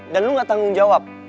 dan lo gak tanggung jawab